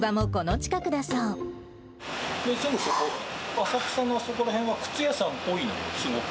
浅草のそこら辺は、靴屋さん多いので、すごく。